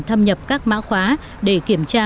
thâm nhập các mã hóa để kiểm tra